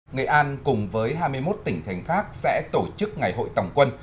nghệ an cùng với hai mươi một tỉnh thành khác sẽ tổ chức ngày hội tổng quân